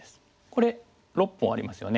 これ６本ありますよね。